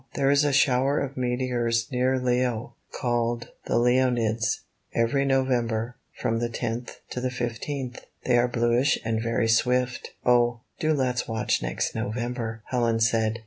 There is a shower of meteors near Leo, 26 I found this on 27 called the Leonids, every November from the tenth to the fifteenth. They are bluish and very swift." "Oh, do let's watch next November!" Helen said.